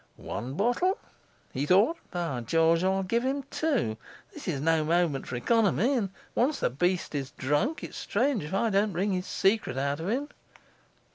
'One bottle?' he thought. 'By George, I'll give him two! this is no moment for economy; and once the beast is drunk, it's strange if I don't wring his secret out of him.